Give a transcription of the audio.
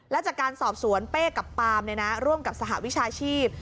และจากการสอบสวนเป้กับปาล์มร่วมกับสหวิชาชีพ